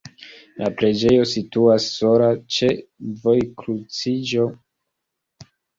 La preĝejo situas sola ĉe vojkruciĝo.